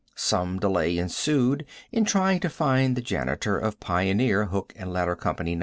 Some delay ensued in trying to find the janitor of Pioneer Hook and Ladder Company No.